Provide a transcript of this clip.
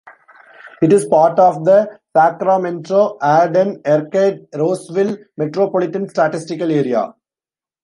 It is part of the Sacramento-Arden-Arcade-Roseville Metropolitan Statistical Area.